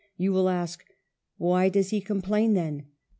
You will ask — 'Why does he complain then?'